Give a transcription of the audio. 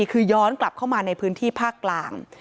คือย้อนกลับเข้ามาในพื้นที่ภาคกลาง